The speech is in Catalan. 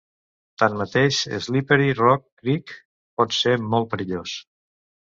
Tanmateix, Slippery Rock Creek pot ser molt perillós.